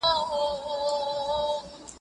که لمر راوخېژي، هوا به توده شي.